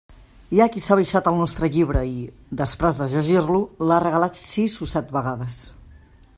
Hi ha qui s'ha baixat el nostre llibre i, després de llegir-lo, l'ha regalat sis o set vegades.